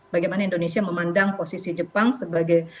bagaimana indonesia memandang posisi jepang sebagai